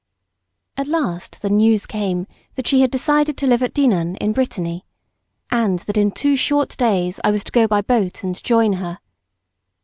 At last the news came that she had decided to live at Dinan in Brittany, and that in two short days I was to go by boat and join her.